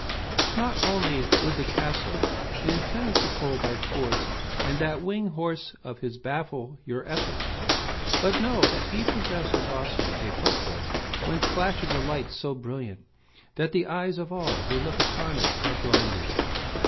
"Not only would the castle, impenetrable by force, and that winged horse of his baffle your efforts, but know that he possesses also a buckler whence flashes a light so brilliant that the eyes of all who look upon it are blinded.